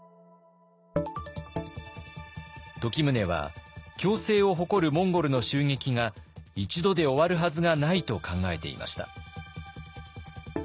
時宗は強勢を誇るモンゴルの襲撃が１度で終わるはずがないと考えていました。